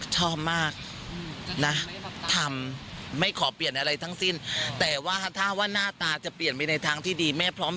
ชอบมากนะทำไม่ขอเปลี่ยนอะไรทั้งสิ้นแต่ว่าถ้าว่าหน้าตาจะเปลี่ยนไปในทางที่ดีแม่พร้อม